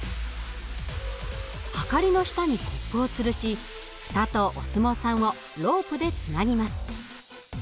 はかりの下にコップをつるし蓋とお相撲さんをロープでつなぎます。